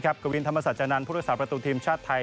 กวินธรรมสัจจนันทร์พุทธศาสตร์ประตูทีมชาติไทย